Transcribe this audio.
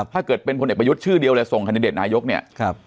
ถ้าเกิดเป็นพลเอกประยุทธ์ชื่อเดียวเลยส่งคันดิเดตนายกเนี่ย